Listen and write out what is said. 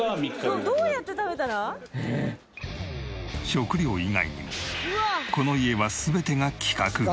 食料以外にもこの家は全てが規格外。